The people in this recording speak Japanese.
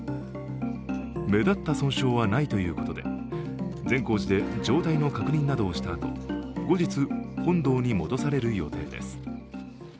目立った損傷はないということで、善光寺で状態の確認などをしたあと後日、本堂に戻される予定です。